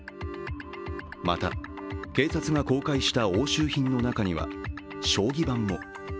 また、警察が公開した押収品の中には将棋盤も。